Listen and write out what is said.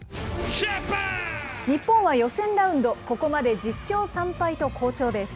日本は予選ラウンド、ここまで１０勝３敗と好調です。